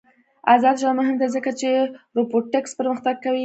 آزاد تجارت مهم دی ځکه چې روبوټکس پرمختګ کوي.